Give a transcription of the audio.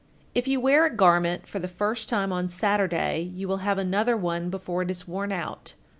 If you wear a garment for the first time on Saturday, you will have another one before it is worn out.